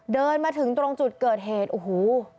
เดินมาถึงตรงจุดเกิดเหตุโอ้โห